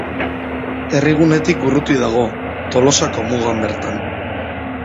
Herrigunetik urruti dago, Tolosako mugan bertan.